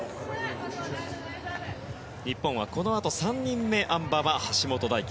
日本はこのあと３人目あん馬は橋本大輝。